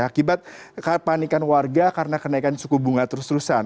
akibat panikan warga karena kenaikan suku bunga terus terusan